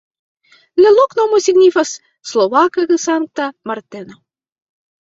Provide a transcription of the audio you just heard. La loknomo signifas: slovaka-Sankta Marteno.